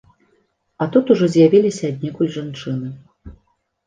А тут ужо з'явіліся аднекуль жанчыны.